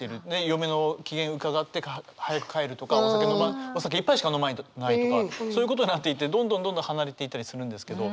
嫁の機嫌伺ってか早く帰るとかお酒一杯しか飲まないとかそういうことになっていってどんどんどんどん離れていったりするんですけど。